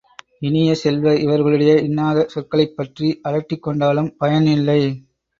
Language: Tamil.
இனிய செல்வ, இவர்களுடைய இன்னாத சொற்களைப்பற்றி அலட்டிக் கொண்டாலும் பயன் இல்லை.